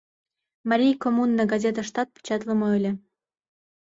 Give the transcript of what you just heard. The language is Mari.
«Марий коммуна» газетыштат печатлыме ыле.